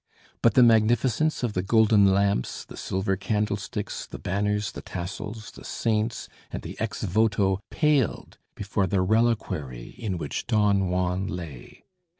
But the magnificence of the golden lamps, the silver candlesticks, the banners, the tassels, the saints and the "ex voto" paled before the reliquary in which Don Juan lay.